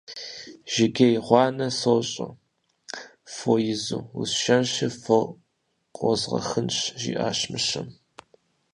Жыгей гъуанэ сощӀэ, фо изу, усшэнщи, фор къозгъэхынщ, - жиӀащ мыщэм.